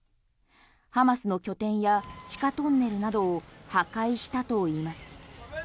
ハマスの拠点や地下トンネルなどを破壊したといいます。